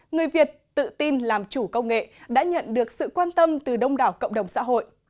người việt tự tin làm chủ công nghệ đã nhận được sự quan tâm từ đông đảo cộng đồng xã hội